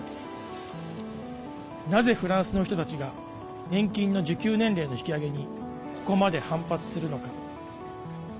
なぜフランスの人たちが年金の受給年齢の引き上げにここまで反発するのか。